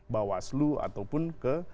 bawaslu ataupun ke